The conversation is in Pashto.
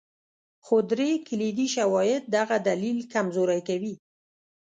خو درې کلیدي شواهد دغه دلیل کمزوری کوي.